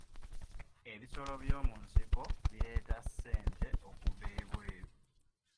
Ebisolo by'omu nsiko bireeta ssente okuva ebweru.